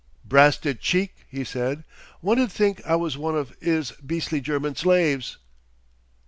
"Brasted cheek!" he said. "One'd think I was one of 'is beastly German slaves!